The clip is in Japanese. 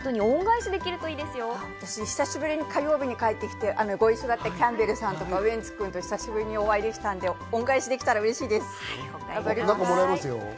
私、久しぶりに火曜日に帰ってきて、ご一緒だったキャンベルさんとかウエンツ君と久しぶりにお会いできたので、恩返しできたらうれしいです。